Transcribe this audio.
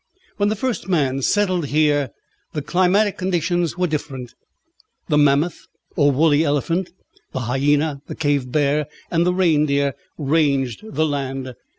When the first man settled here the climatic conditions were different. The mammoth or woolly elephant, the hyæna, the cave bear, and the reindeer ranged the land.